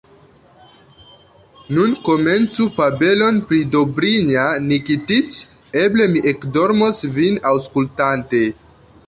Nun komencu fabelon pri Dobrinja Nikitiĉ, eble mi ekdormos, vin aŭskultante!